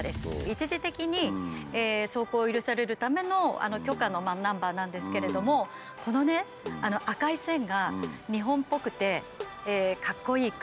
一時的に走行を許されるための許可のナンバーなんですけれどもこのね海外の人の考えること分かんないね。